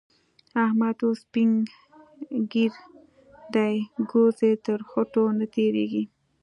احمد اوس سپين ږير دی؛ ګوز يې تر خوټو نه تېرېږي.